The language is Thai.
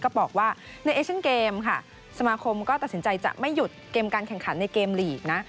ก็บอกว่าในเอเชียนเกมค่ะสมาคมก็ตัดสินใจจะไม่หยุดเกมการแข่งขันในเกมลีกนะ